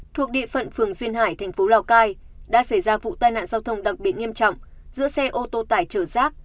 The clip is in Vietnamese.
thuộc địa phận phường duyên hải thành phố lào cai đã xảy ra vụ tai nạn giao thông đặc biệt nghiêm trọng giữa xe ô tô tải chở rác